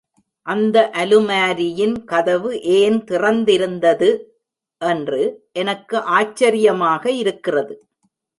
அந்த அலுமாரியின் கதவு ஏன் திறந்திருந்தது ? என்று எனக்கு ஆச்சரியமாக இருக்கிறது.